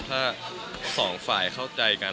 ถ้าสองฝ่ายเข้าใจกัน